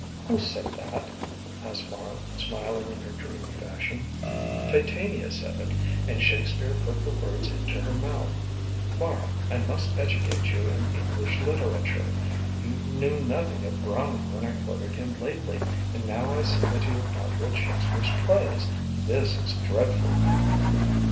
'" "Who said that?" asked Mara, smiling in her dreamy fashion. "Titania said it, and Shakespeare put the words into her mouth. Mara, I must educate you in English literature. You knew nothing of Browning when I quoted him lately, and now I see that you have not read Shakespeare's plays. This is dreadful."